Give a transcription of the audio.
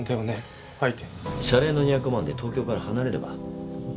謝礼の２００万で東京から離れれば？